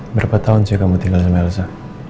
berapa tahun sih kamu tinggal sama elsa